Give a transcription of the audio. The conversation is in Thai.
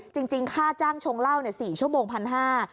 จริงค่าจ้างชงเหล้า๔ชั่วโมงพันห้า